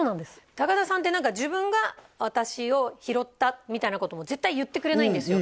高田さんって何か自分が私を拾ったみたいなことも絶対言ってくれないんですよ